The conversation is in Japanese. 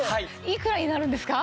いくらになるんですか？